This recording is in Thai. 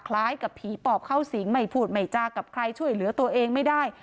คล้ายกับผีปอบเข้าสิงไม่พูดไม่จากับใครช่วยเหลือตัวเองไม่ได้